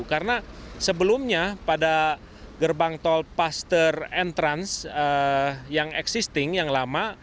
karena sebelumnya pada gerbang tol paster entrance yang existing yang lama